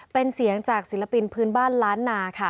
เป็นเสียงจากศิลปินพื้นบ้านล้านนาค่ะ